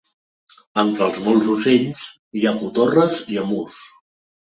Entre els molts ocells, hi ha cotorres i emús.